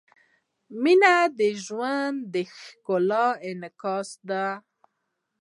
• مینه د ژوند د ښکلا انعکاس دی.